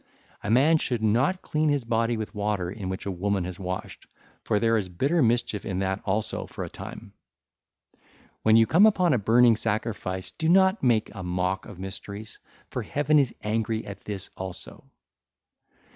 A man should not clean his body with water in which a woman has washed, for there is bitter mischief in that also for a time. When you come upon a burning sacrifice, do not make a mock of mysteries, for Heaven is angry at this also.